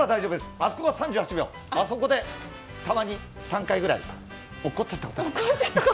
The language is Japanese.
あそこが３８、あそこでたまに３回くらい落っこちちゃたことが。